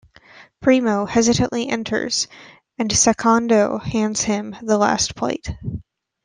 Primo hesitantly enters, and Secondo hands him the last plate.